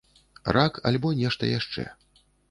Рак, альбо нешта яшчэ.